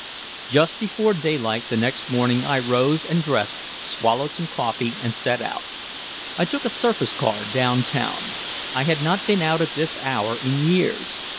Just before daylight the next morning I rose and dressed, swallowed some coffee and set out. I took a surface car downtown. I had not been out at this hour in years.